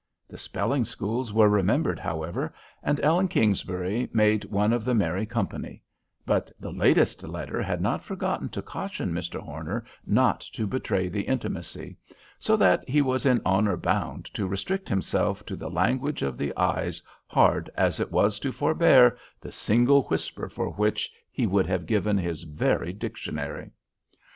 The spelling schools were remembered, however, and Ellen Kingsbury made one of the merry company; but the latest letter had not forgotten to caution Mr. Horner not to betray the intimacy; so that he was in honor bound to restrict himself to the language of the eyes hard as it was to forbear the single whisper for which he would have given his very dictionary.